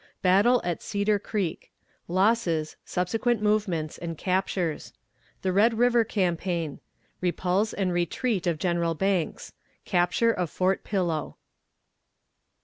Battle at Cedar Creek. Losses, Subsequent Movements, and Captures. The Red River Campaign. Repulse and Retreat of General Banks. Capture of Fort Pillow.